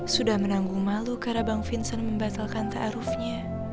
sudah menanggung malu karena bang vincent membatalkan ta'arufnya